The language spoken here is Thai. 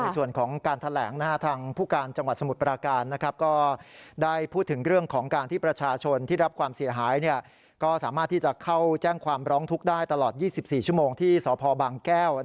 สามารถที่จะเข้าแจ้งความร้องทุกข์ได้ตลอด๒๔ชั่วโมงที่สพแก้ว